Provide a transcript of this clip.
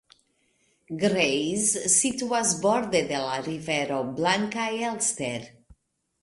Greiz situas borde de la rivero Blanka Elster.